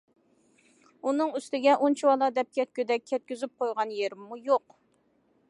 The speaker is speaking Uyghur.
ئۇنىڭ ئۈستىگە ئۇنچىۋالا دەپ كەتكۈدەك كەتكۈزۈپ قويغان يېرىممۇ يوق.